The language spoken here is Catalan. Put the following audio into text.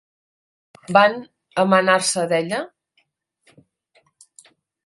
Van emanar-se d'ella?